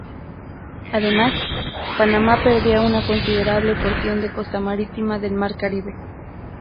Además, Panamá perdía una considerable porción de costa marítima del mar Caribe.